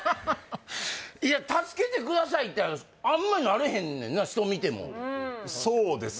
いや助けてくださいってあんまりなれへんねんな人見ても確かになそうです